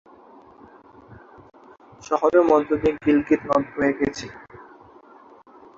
শহরের মধ্য দিয়ে গিলগিত নদ বয়ে গেছে।